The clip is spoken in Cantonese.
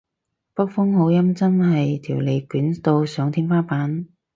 北方口音真係條脷捲到上天花板